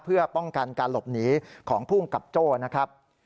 เพื่อป้องกันการหลบหนีของภูมิกับโจ้นะครับ